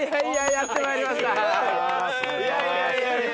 やってまいりました。